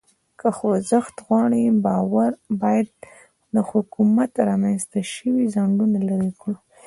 که خوځښت غواړو، باید د حکومت رامنځ ته شوي خنډونه لرې کړو.